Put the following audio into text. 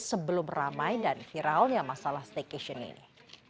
sebelum ramai dan viralnya masalah staycation ini